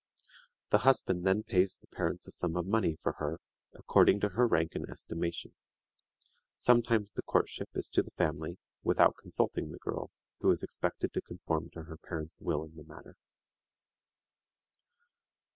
The husband then pays the parents a sum of money for her, according to her rank and estimation; sometimes the courtship is to the family, without consulting the girl, who is expected to conform to her parents' will in the matter.